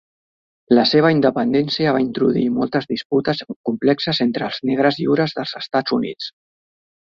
La seva independència va introduir moltes disputes complexes entre els negres lliures dels Estats Units.